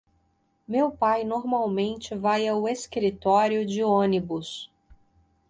Meu pai normalmente vai ao escritório de ônibus.